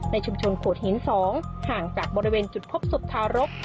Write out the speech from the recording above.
ชุมชนโขดหิน๒ห่างจากบริเวณจุดพบศพทารก